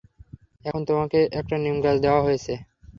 এখন তোমাকে একটা নিমগাছ দেওয়া হয়েছে।